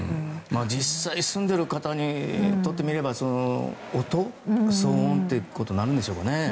実際住んでいる方にとってみれば音、騒音ってことになるんでしょうかね。